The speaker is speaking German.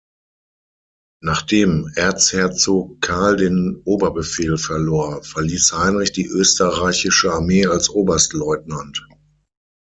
Nachdem Erzherzog Karl den Oberbefehl verlor, verließ Heinrich die österreichische Armee als Oberstleutnant.